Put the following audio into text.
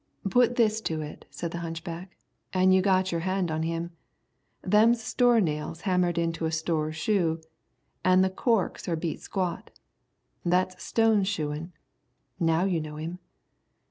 "Put this to it," said the hunchback, "an' you've got your hand on him. Them's store nails hammered into a store shoe, an' the corks are beat squat. That's Stone's shoein'. Now you know him."